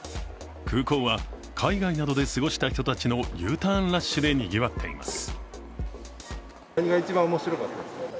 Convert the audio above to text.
空港は、海外などで過ごした人たちのＵターンラッシュでにぎわっています。